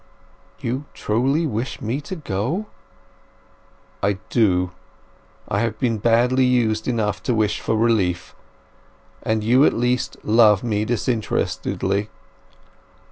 "You truly wish me to go?" "I do. I have been badly used enough to wish for relief. And you at least love me disinterestedly."